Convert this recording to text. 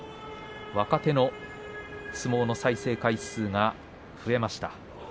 若手の相撲の再生回数が増えました。